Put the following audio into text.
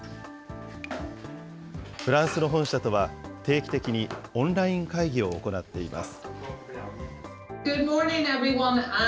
フランスの本社とは定期的にオンライン会議を行っています。